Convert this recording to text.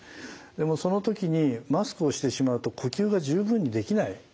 でもその時にマスクをしてしまうと呼吸が十分にできない。